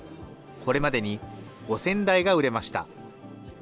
これまでに５０００台が売れました。